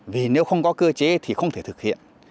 vì nếu không có cơ chế thì không thể thực hiện